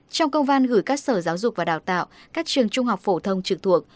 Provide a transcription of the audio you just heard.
trong công văn gửi các sở giáo dục và đào tạo các trường trung học phổ thông trực thuộc